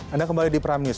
anda kembali di prime news